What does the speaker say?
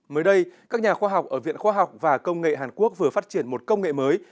mới đây các nhà khoa học ở viện khoa học và công nghệ hàn quốc vừa phát triển một công nghệ mới